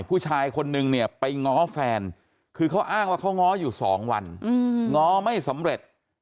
ผู้ชายคนนึงเนี่ยไปง้อแฟนคือเขาอ้างว่าเขาง้ออยู่๒วันง้อไม่สำเร็จ